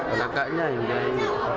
anak anaknya yang biayai